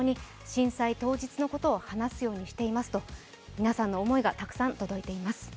皆さんの思いがたくさん届いています。